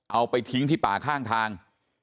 เอาไปทิ้งที่ป่าข้างทาง